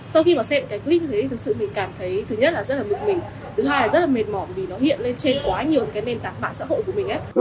sau khi mà xem cái clip đấy thực sự mình cảm thấy thứ nhất là rất là bụi mịn thứ hai là rất là mệt mỏi vì nó hiện lên trên quá nhiều cái nền tảng mạng xã hội của mình